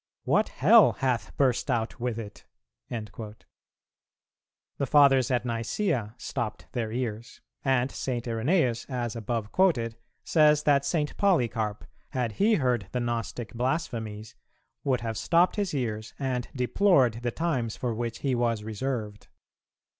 What hell hath burst out with it?" The Fathers at Nicæa stopped their ears; and St. Irenæus, as above quoted, says that St. Polycarp, had he heard the Gnostic blasphemies, would have stopped his ears, and deplored the times for which he was reserved.